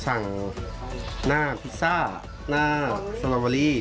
สั่งหน้าพิซซ่าหน้าสตรอเบอรี่